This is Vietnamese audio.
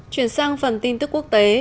chuyển sang phần tin tức quốc tế